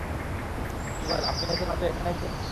যুবরাজ, আপনি এত রাত্রে এখানে যে?